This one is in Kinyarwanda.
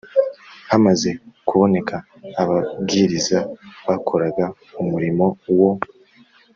hamaze kuboneka ababwiriza bakoraga umurimo wo